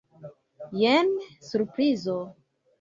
Jen surprizo!